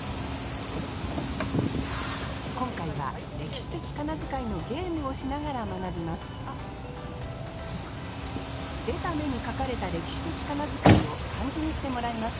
今回は歴史的仮名遣いのゲームをしながら学びます出た目に書かれた歴史的仮名遣いを漢字にしてもらいます。